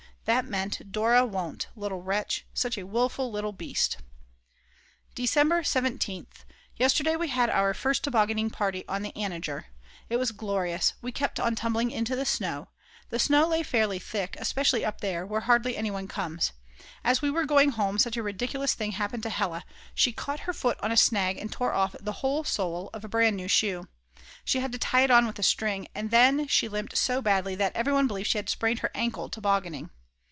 That meant: Dora won't; little wretch! such a wilful little beast! December 17th. Yesterday we had our first tobogganing party on the Anninger; it was glorious, we kept on tumbling into the snow; the snow lay fairly thick, especially up there, where hardly anyone comes. As we were going home such a ridiculous thing happened to Hella; she caught her foot on a snag and tore off the whole sole of a brand new shoe. She had to tie it on with a string, and even then she limped so badly that every one believed she had sprained her ankle tobogganing.